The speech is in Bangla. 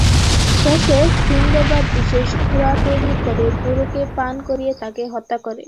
শেষে সিন্দবাদ বিশেষ সুরা তৈরি করে বুড়োকে পান করিয়ে তাকে হত্যা করে।